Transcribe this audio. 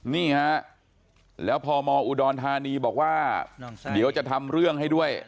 นี่ฮะแล้วพมอุดรธานีบอกว่าเดี๋ยวจะทำเรื่องให้ด้วย